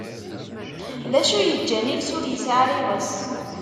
D acu yeǧǧan iles ur yesɛi ara iɣes?